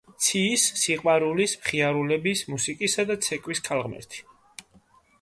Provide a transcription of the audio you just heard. ცის, სიყვარულის, მხიარულების, მუსიკისა და ცეკვის ქალღმერთი.